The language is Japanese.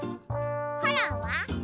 コロンは？